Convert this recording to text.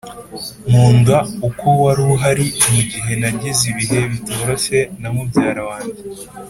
nkunda uko wari uhari mugihe nagize ibihe bitoroshye na mubyara wanjye